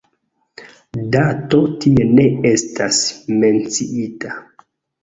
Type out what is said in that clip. Dato tie ne estas menciita.